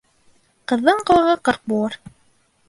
Ҡыҙҙың ҡылығы ҡырҡ булыр.